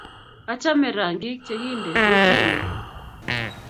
achame rangiik che kinte kutinguung